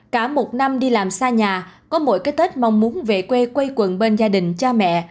cả một năm đi làm xa nhà có mỗi cái tết mong muốn về quê quay quần bên gia đình cha mẹ